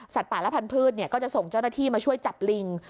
สัตว์ป่าและพันธุ์พืชเนี้ยก็จะส่งเจ้าหน้าที่มาช่วยจับลิง